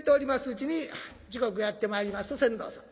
うちに時刻やって参りますと船頭さん